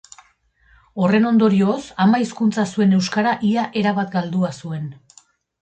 Horren ondorioz ama hizkuntza zuen euskara ia erabat galdua zuen.